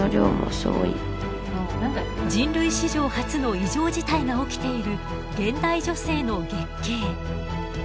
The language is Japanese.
人類史上初の異常事態が起きている現代女性の月経。